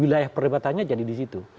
wilayah perdebatannya jadi di situ